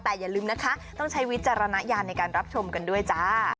แต่อย่าลืมนะคะต้องใช้วิจารณญาณในการรับชมกันด้วยจ้า